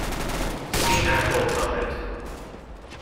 See natural trumpet.